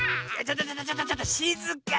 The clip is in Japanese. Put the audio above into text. ちょっとちょっとしずかに。